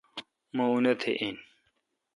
مہ اونتھ این۔